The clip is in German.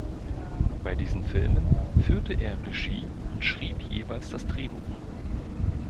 Bei diesen Filmen führte er Regie und schrieb jeweils das Drehbuch.